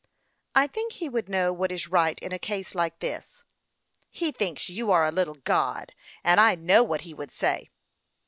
" I think he would know what is right in a case like this." " He thinks you are a little god, and I know what he would say."